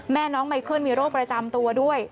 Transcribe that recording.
น้องไมเคิลมีโรคประจำตัวด้วย